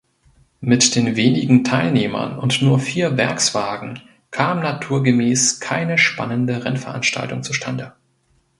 Mit den wenigen Teilnehmern und nur vier Werkswagen kam naturgemäß keine spannende Rennveranstaltung zustande.